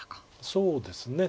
そうですね。